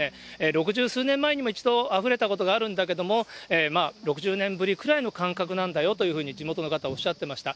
六十数年前にも一度、あふれたことがあるんだけれども、まあ、６０年ぶりくらいの感覚なんだよというふうに地元の方、おっしゃってました。